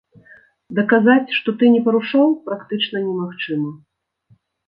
Даказаць, што ты не парушаў, практычна немагчыма.